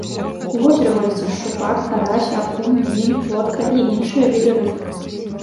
У возеры водзяцца шчупак, карась, акунь, лінь, плотка і іншыя віды рыб.